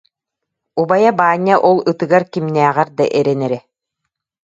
Убайа Баанньа ол ытыгар кимнээҕэр да эрэнэрэ